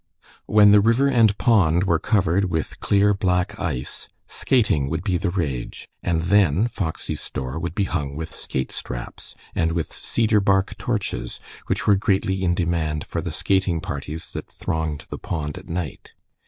When the river and pond were covered with clear, black ice, skating would be the rage, and then Foxy's store would be hung with skate straps, and with cedar bark torches, which were greatly in demand for the skating parties that thronged the pond at night.